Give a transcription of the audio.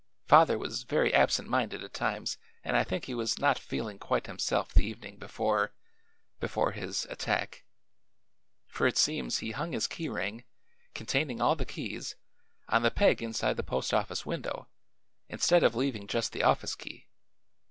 "Father was very absent minded at times, and I think he was not feeling quite himself the evening before before his attack. For it seems he hung his key ring, containing all the keys, on the peg inside the post office window, instead of leaving just the office key.